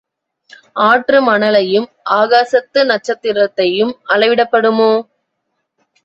ஆற்று மணலையும் ஆகாசத்து நட்சத்திரத்தையும் அளவிடப்படுமோ?